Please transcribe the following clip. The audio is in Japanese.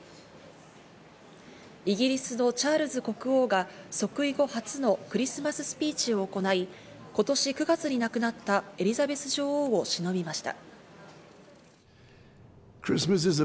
イギリスのチャールズ国王が即位後初のクリスマススピーチを行い、今年９月に亡くなったエリザベス女王を偲びました。